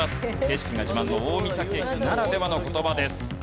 景色が自慢の大三東駅ならではの言葉です。